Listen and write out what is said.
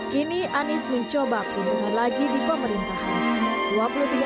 kini anis mencoba keuntungan lagi di pemerintahan